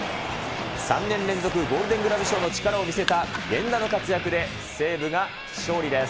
３年連続ゴールデングラブ賞の力を見せた源田の活躍で、西武が勝利です。